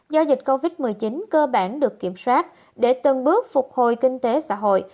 do dịch covid một mươi chín cơ bản được kiểm soát để từng bước phục hồi kinh tế xã hội